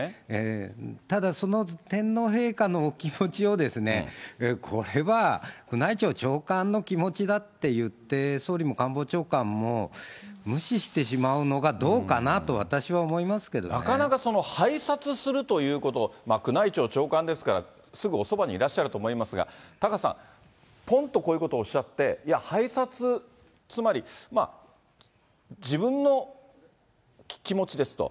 ただその天皇陛下のお気持ちを、これは宮内庁長官の気持ちだっていって、総理も官房長官も無視してしまうのがどうかなと私は思いますけどなかなか拝察するということを、宮内庁長官ですから、すぐおそばにいらっしゃると思いますが、タカさん、ぽんとこういうことをおっしゃって、いや拝察、つまり自分の気持ちですと。